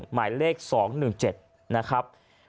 หมายเลข๒๑๗นะครับ